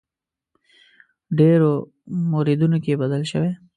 ډېرو موردونو کې بدل شوی.